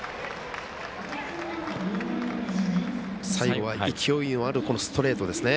最後は勢いのあるストレートですね。